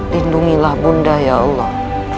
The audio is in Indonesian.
lindungilah bunda ya allah